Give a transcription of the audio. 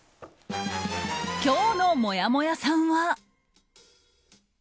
今日のもやもやさんは。